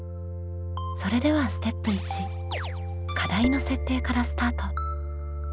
それではステップ１課題の設定からスタート。